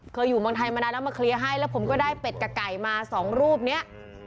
เคยอยู่บางทายมานานามาเคลียร์ให้แล้วผมก็ได้เป็ดกับไก่มาสองรูปเนี้ย